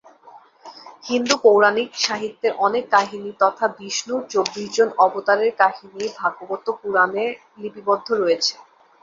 হিন্দু পৌরাণিক সাহিত্যের অনেক কাহিনি তথা বিষ্ণুর চব্বিশ জন অবতারের কাহিনি "ভাগবত পুরাণে" লিপিবদ্ধ রয়েছে।